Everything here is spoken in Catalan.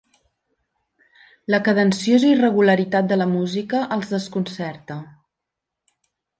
La cadenciosa irregularitat de la música els desconcerta.